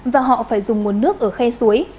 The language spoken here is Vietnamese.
và họ phải dùng nguồn nước ở khe suối